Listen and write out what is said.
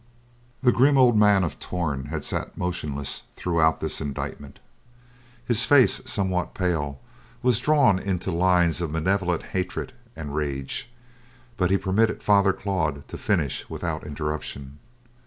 The grim old man of Torn had sat motionless throughout this indictment, his face, somewhat pale, was drawn into lines of malevolent hatred and rage, but he permitted Father Claude to finish without interruption.